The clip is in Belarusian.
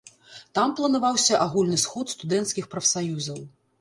Там планаваўся агульны сход студэнцкіх прафсаюзаў.